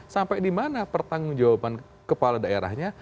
sampai dimana pertanggung jawaban kepala daerahnya